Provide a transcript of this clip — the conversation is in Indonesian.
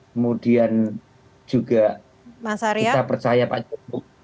kemudian juga kita percaya pak jokowi